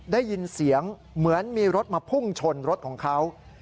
ได้ยินเสียงเหมือนมีรถมาพุ่งชนรถของเขา